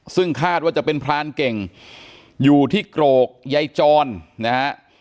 ซึ่งคาดว่าจะเป็นพรานเก่งอยู่ที่โกรกยายจรนะฮะ